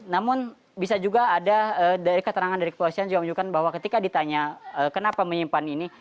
namun bisa juga ada dari keterangan dari kepolisian juga menunjukkan bahwa ketika ditanya kenapa menyimpan ini